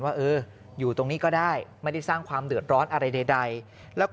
ว่าเอออยู่ตรงนี้ก็ได้ไม่ได้สร้างความเดือดร้อนอะไรใดแล้วก็